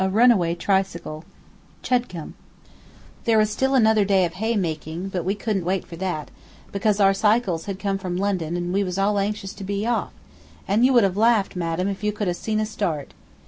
Letter Number Nine CHEDCOMBE There was still another day of hay making, but we couldn't wait for that, because our cycles had come from London and we was all anxious to be off, and you would have laughed, madam, if you could have seen us start.